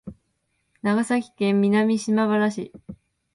長崎県南島原市